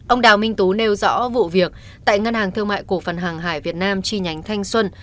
ông đào minh tú nêu rõ vụ việc tại ngân hàng thương mại cổ phần hàng hải việt nam chi nhánh thanh xuân